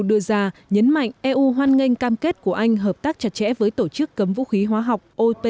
đưa ra nhấn mạnh eu hoan nghênh cam kết của anh hợp tác chặt chẽ với tổ chức cấm vũ khí hóa học op